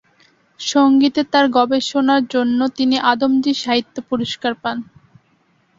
সঙ্গীতে তাঁর গবেষণা জন্য তিনি আদমজী সাহিত্য পুরস্কার পান।